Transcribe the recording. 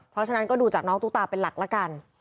เพราะฉะนั้นก็ดูจากน้องตุ๊กตาเป็นหลักละกัน